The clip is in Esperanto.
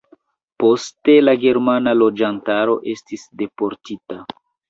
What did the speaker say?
Poste la germana loĝantaro estis deportita.